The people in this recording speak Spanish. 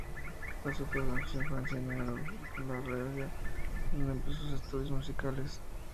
Pasó toda su infancia en Haro, La Rioja, donde empezó sus estudios musicales.